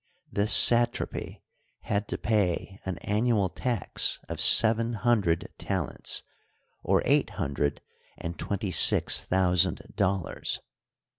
This satrapy had to pay an an nual tax of seven hundred talents, or eight hundred and twenty six thousand dollars.